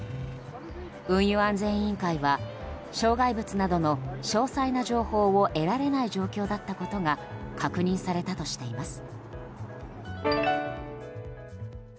運輸安全委員会は障害物などの詳細な情報を得られない状況だったことが確認されたとしています。